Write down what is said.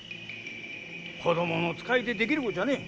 子供の使いでできることじゃねぇ！